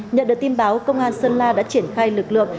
nhận được tin báo công an sơn la đã triển khai lực lượng